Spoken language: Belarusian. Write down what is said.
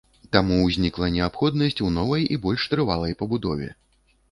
Таму ўзнікла неабходнасць у новай і больш трывалай пабудове.